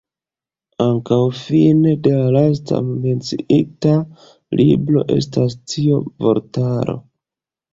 Ankaŭ fine de la laste menciita libro estas tia vortaro.